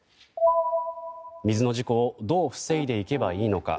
水の事故をどう防いでいけばいいのか。